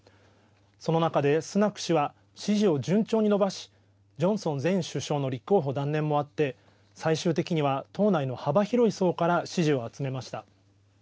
その中でスナク氏は支持を順調に伸ばし、ジョンソン前首相の立候補断念もあって、最終的には党内の幅広い層から支持を集めました。